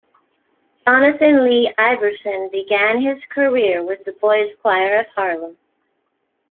Johnathan Lee Iverson began his career with the Boys Choir of Harlem.